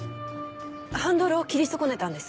ハンドルを切り損ねたんです。